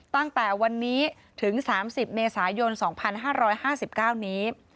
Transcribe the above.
ตั้งแต่วันนี้ถึง๓๐เมษายน๒๕๕๙นี้